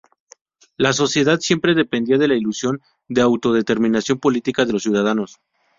La sociedad siempre dependía de la ilusión de autodeterminación política de los ciudadanos.